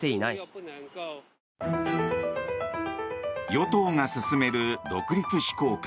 与党が進める独立志向か